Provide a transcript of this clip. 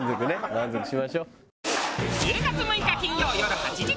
満足しましょう。